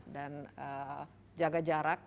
dan jaga jarak